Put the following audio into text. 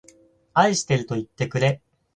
愛しているといってくれ